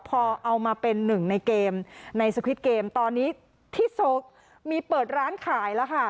พอเอามาเป็นหนึ่งในเกมในสควิดเกมตอนนี้ที่โซกมีเปิดร้านขายแล้วค่ะ